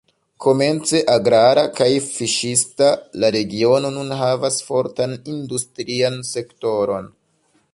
Komence agrara kaj fiŝista, la regiono nun havas fortan industrian sektoron.